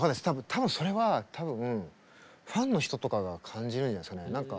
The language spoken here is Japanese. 多分それは多分ファンの人とかが感じるんじゃないですかね。